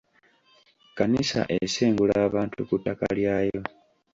Kkanisa esengula abantu ku ttaka lyayo.